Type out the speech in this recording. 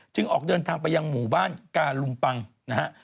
ออกเดินทางไปยังหมู่บ้านกาลุมปังนะฮะ